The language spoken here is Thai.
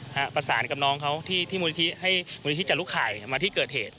ประสานกับน้องเขาที่ที่มูลนิธิให้มูลนิธิจรุข่ายมาที่เกิดเหตุ